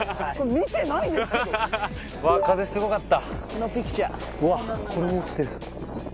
風すごかった。